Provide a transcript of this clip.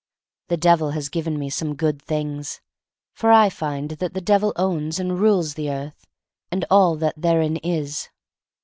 The Devil has given me some good things — for I fine ^ that the Devil owns and rules the earth and all that therein is.